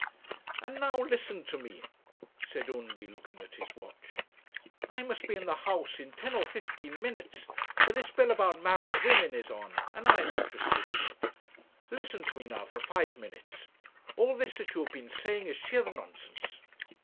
'And now listen to me,' said Undy, looking at his watch. 'I must be in the House in ten or fifteen minutes, for this bill about married women is on, and I am interested in it: listen to me now for five minutes. All this that you have been saying is sheer nonsense.'